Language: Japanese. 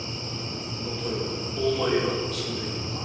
能登屋大前屋筑前屋。